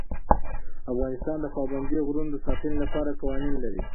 افغانستان د پابندی غرونه د ساتنې لپاره قوانین لري.